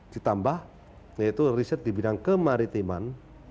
ditambah yaitu riset di bidang kemaritiman